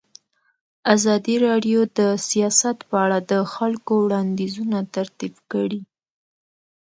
ازادي راډیو د سیاست په اړه د خلکو وړاندیزونه ترتیب کړي.